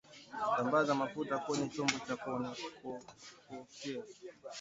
sambaza mafuta kweye chombo cha kuokea